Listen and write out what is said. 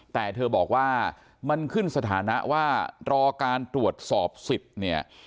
แต่เธอบอกว่ามันขึ้นสถานะว่ารอการตรวจสอบสิทธิ์เนี่ย